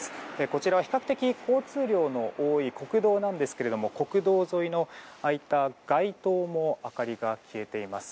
こちらは比較的交通量が多い国道なんですが国道沿いの、ああいった街灯も明かりが消えています。